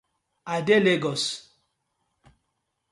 I dey Legos.